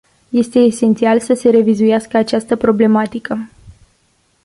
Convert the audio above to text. Este esențial să se revizuiască această problematică.